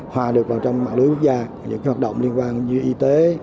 hòa được vào trong mạng lưới quốc gia những hoạt động liên quan như y tế